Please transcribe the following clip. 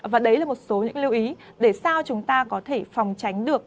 và đấy là một số những lưu ý để sao chúng ta có thể phòng tránh được